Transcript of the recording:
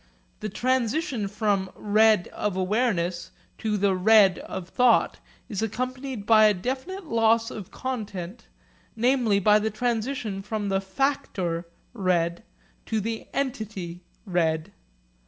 The transition from the 'red' of awareness to the 'red' of thought is accompanied by a definite loss of content, namely by the transition from the factor 'red' to the entity 'red.'